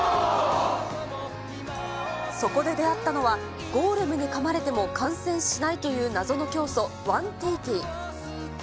そこで出会ったのは、ゴーレムにかまれても感染しないという謎の教祖、ワンティーティ。